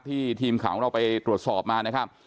ทีมข่าวของเราไปตรวจสอบมานะครับ